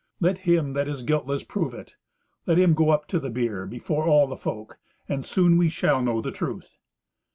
"Let him that is guiltless prove it. Let him go up to the bier before all the folk, and soon we shall know the truth."